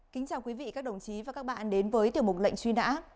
kính chào quý vị các đồng chí và các bạn đến với tiểu mục lệnh truy nã